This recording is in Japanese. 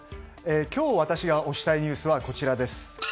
今日、私が推したいニュースはこちらです。